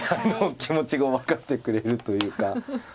気持ちが分かってくれるというか。